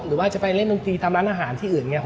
หรือว่าจะไปเล่นมือดีทำร้านอาหารที่อื่นไง